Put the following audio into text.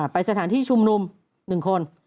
ไปสถานที่ชุมนุม๑คน